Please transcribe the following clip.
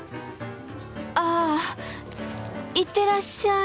あ行ってらっしゃい。